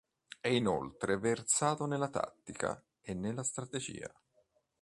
È inoltre versato nella tattica e nella strategia.